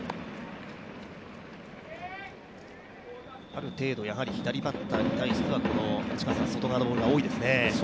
ある程度、左バッターに対しては外側のボールが多いですね。